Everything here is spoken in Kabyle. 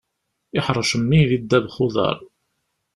Iḥrec mmi di ddabex n uḍar.